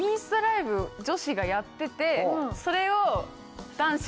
それを。